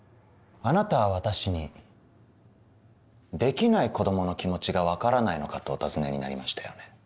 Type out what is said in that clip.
あなたは私に「できない子供の気持ちが分からないのか」とお尋ねになりましたよね。